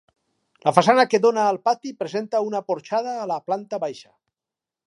La façana que dóna al pati presenta una porxada a la planta baixa.